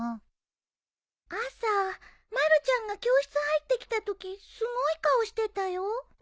朝まるちゃんが教室入ってきたときすごい顔してたよ。